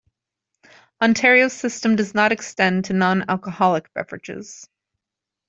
Ontario's system does not extend to non-alcoholic beverages.